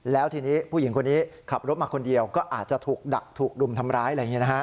แล้วทีนี้ผู้หญิงคนนี้ขับรถมาคนเดียวก็อาจจะถูกดักถูกรุมทำร้ายอะไรอย่างนี้นะฮะ